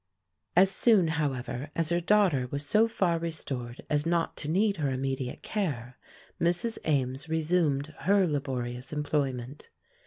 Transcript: As soon, however, as her daughter was so far restored as not to need her immediate care, Mrs. Ames resumed her laborious employment.